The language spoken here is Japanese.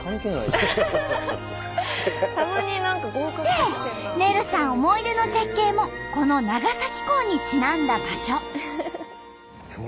でねるさん思い出の絶景もこの長崎港にちなんだ場所。